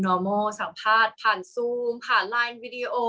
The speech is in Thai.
กากตัวทำอะไรบ้างอยู่ตรงนี้คนเดียว